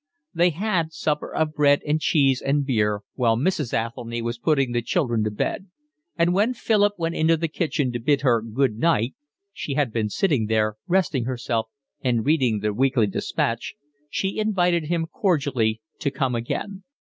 They had supper of bread and cheese and beer, while Mrs. Athelny was putting the children to bed; and when Philip went into the kitchen to bid her good night (she had been sitting there, resting herself and reading The Weekly Despatch) she invited him cordially to come again.